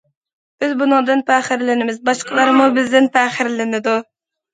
بىز بۇنىڭدىن پەخىرلىنىمىز، باشقىلارمۇ بىزدىن پەخىرلىنىدۇ.